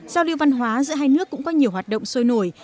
sau điều văn hóa giữa hai nước cũng có nhiều hoạt động sôi nổi